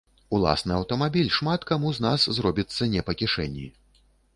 Уласны аўтамабіль шмат каму з нас зробіцца не па кішэні.